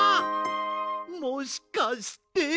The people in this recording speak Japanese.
もしかして。